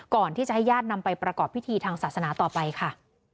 ก่อนที่จะให้ญาตินำไปประกอบพิธีทางศาสนาต่อไปค่ะ